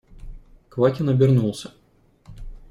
Квакин обернулся.